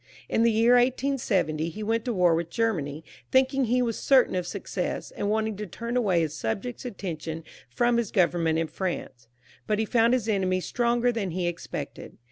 In the year 1870 he went to war with Germany, thinking he was certain of success, and wanting to turn away his sub jects' attention from his government in France; but he found his enemies stronger than he expected.